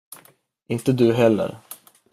Inte du heller.